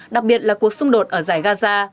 đặc biệt là cuộc xung đột ở giải cà già